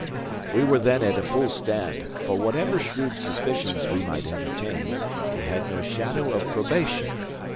We were then at a full stand; for whatever shrewd suspicions we might entertain, we had no shadow of probation.